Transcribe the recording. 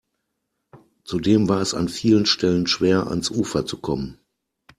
Zudem war es an vielen Stellen schwer, ans Ufer zu kommen.